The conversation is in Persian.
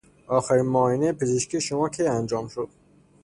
آخرین معاینهی پزشکی شما کی انجام شد؟